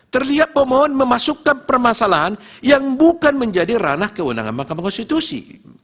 terlihat pemohon memasukkan permasalahan yang bukan menjadi ranah kewenangan mahkamah konstitusi